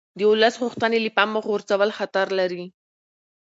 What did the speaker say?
د ولس غوښتنې له پامه غورځول خطر لري